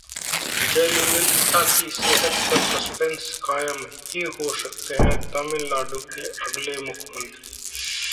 जयललिता की सेहत पर सस्पेंस कायम, ये हो सकते हैं तमिलनाडु के अगले मुख्यमंत्री